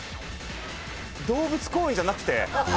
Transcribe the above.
動物公園じゃなくて？